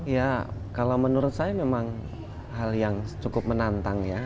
ya kalau menurut saya memang hal yang cukup menantang ya